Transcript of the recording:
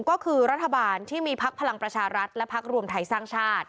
ก็คือรัฐบาลที่มีพักพลังประชารัฐและพักรวมไทยสร้างชาติ